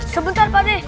sebentar pak deh